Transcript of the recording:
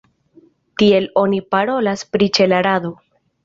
Tiel oni parolas pri ĉela rado.